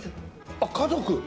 あっ家族？